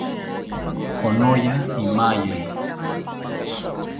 Konoya imaye